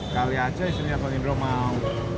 kali aja istrinya bang indro mau